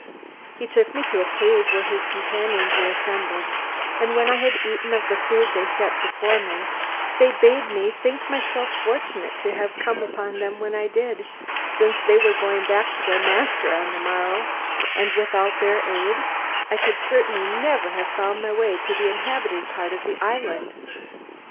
He took me to a cave where his companions were assembled, and when I had eaten of the food they set before me, they bade me think myself fortunate to have come upon them when I did, since they were going back to their master on the morrow, and without their aid I could certainly never have found my way to the inhabited part of the island.